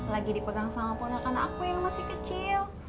lagi dipegang sama pona kakakku yang masih kecil